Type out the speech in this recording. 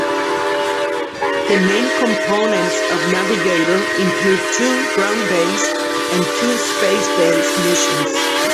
The main components of Navigator include two ground-based and two space based missions.